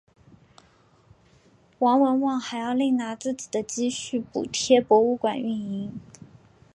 王文旺还要另拿自己的积蓄补贴博物馆运营。